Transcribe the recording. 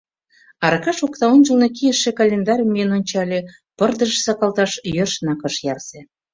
Аркаш окнаончылно кийыше календарьым миен ончале — пырдыжыш сакалташ йӧршынак ыш ярсе.